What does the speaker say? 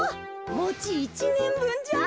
もち１ねんぶんじゃ。